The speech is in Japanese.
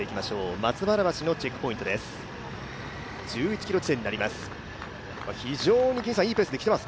松原橋のチェックポイントです。